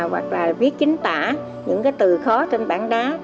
hoặc là viết chính tả những cái từ khó trên bảng đá